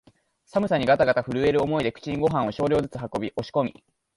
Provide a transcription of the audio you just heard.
寒さにがたがた震える思いで口にごはんを少量ずつ運び、押し込み、